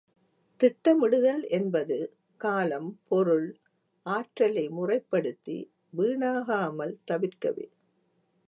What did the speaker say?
திட்டமிடுதல் என்பது காலம், பொருள், ஆற்றலை முறைப்படுத்தி வீணாகாமல் தவிர்க்கவே.